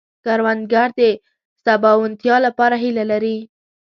کروندګر د سباوونتیا لپاره هيله لري